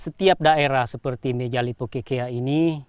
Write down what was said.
setiap daerah seperti meja lipo kikea ini